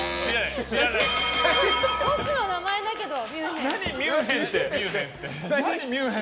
都市の名前だけど、ミュンヘン。